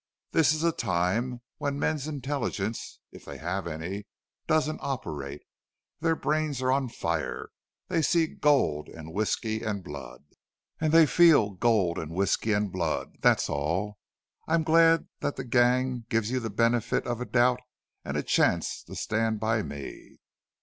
This is a time when men's intelligence, if they have any, doesn't operate. Their brains are on fire. They see gold and whisky and blood, and they feel gold and whisky and blood. That's all. I'm glad that the gang gives you the benefit of a doubt and a chance to stand by me."